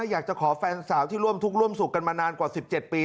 อยากจะขอแฟนสาวที่ร่วมทุกข์ร่วมสุขกันมานานกว่า๑๗ปี